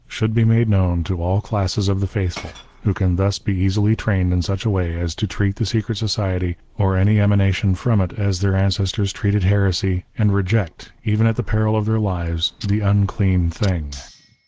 should be made known to all classes of the faithful, who can thus be easily trained in such a way as to treat the secret society or any emanation from it as their ancestors treated heresy, and reject, even at the peril of their lives, the " unclean thing."